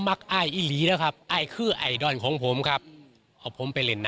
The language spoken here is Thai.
แม่เดี๋ยวก่อนนะสุดท้าย